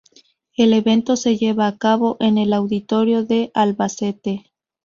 El evento se lleva a cabo en el Auditorio de Albacete.